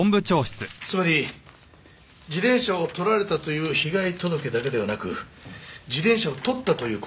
つまり自転車を盗られたという被害届だけではなく自転車を盗ったというこの調書も